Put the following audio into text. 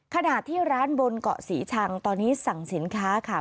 ขณะที่ร้านบนเกาะศรีชังตอนนี้สั่งสินค้าค่ะ